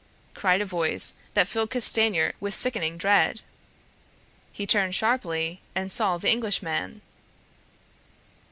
cried a voice that filled Castanier with sickening dread. He turned sharply, and saw the Englishman.